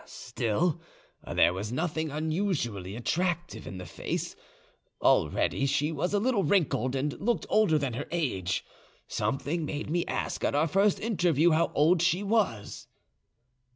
Still, there was nothing unusually attractive in the face: already she was a little wrinkled, and looked older than her age. Something made me ask at our first interview how old she was.